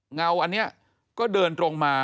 เงาอันนี้ก็เดินตรงมา